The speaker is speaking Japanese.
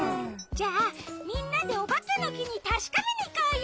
じゃあみんなでおばけのきにたしかめにいこうよ！